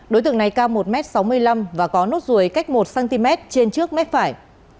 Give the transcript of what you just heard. đối tượng này cao một m sáu mươi năm và có nốt ruồi cách một cm trên trước mép phải